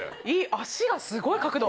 脚がすごい角度。